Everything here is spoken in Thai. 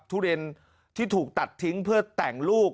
ทุเรียนที่ถูกตัดทิ้งเพื่อแต่งลูก